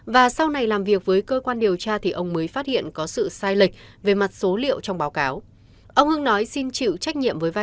và sau này làm việc với cơ quan điều tra thì ông mới phát hiện có sự sai lệch về mặt số liệu trong báo cáo